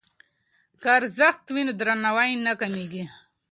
که ارزښت وي نو درناوی نه کمېږي.